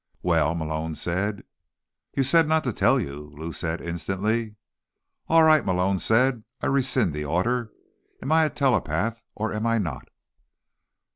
"Well?" Malone said. "You said not to tell you," Lou said instantly. "All right," Malone said. "I rescind the order. Am I a telepath, or am I not?"